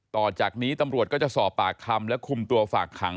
ต่อจากนี้ตำรวจก็จะสอบปากคำและคุมตัวฝากขัง